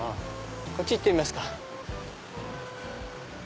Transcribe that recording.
こっち行ってみますか。